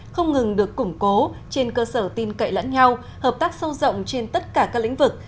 không ngừng được củng cố trên cơ sở tin cậy lẫn nhau hợp tác sâu rộng trên tất cả các lĩnh vực